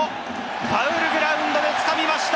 ファウルグラウンドでつかみました！